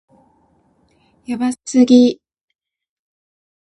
やばすぎ